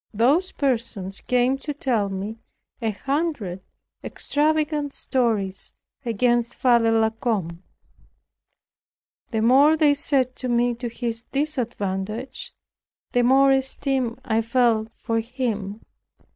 Those persons came to tell me a hundred extravagant stories against Father La Combe. The more they said to me to his disadvantage, the more esteem I felt for him.